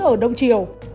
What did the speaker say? ở đông triều